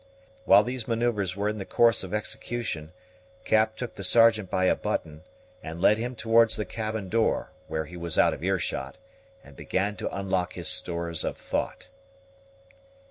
While these manoeuvres were in the course of execution, Cap took the Sergeant by a button, and led him towards the cabin door, where he was out of ear shot, and began to unlock his stores of thought.